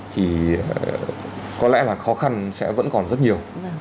thì có lẽ là khó khăn sẽ vẫn còn rất nhiều